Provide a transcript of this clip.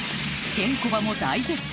ケンコバも大絶賛